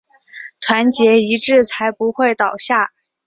团结一致才不会倒下